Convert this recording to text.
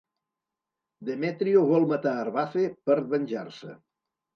Demetrio vol matar Arbace per venjar-se.